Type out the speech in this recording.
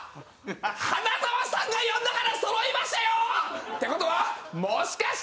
花沢さんが呼んだからそろいましたよ！って事はもしかして！？